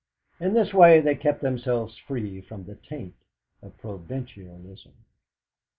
In this way they kept themselves free from the taint of provincialism.